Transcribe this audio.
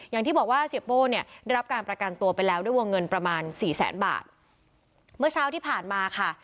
อย่างที่บอกว่าเสียโป้เนี่ยได้รับการประกันตัวไปแล้วด้วยวงเงินประมาณสี่แสนบาทเมื่อเช้าที่ผ่านมาค่ะ